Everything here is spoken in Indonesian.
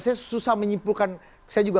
saya susah menyimpulkan saya juga